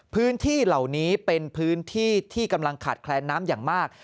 พื้นที่เหล่านี้เป็นพื้นที่ที่กำลังขาดแคลนน้ำอย่างมาก